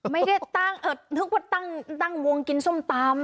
ไม่ได้ตั้งนึกว่าตั้งวงกินส้มตำ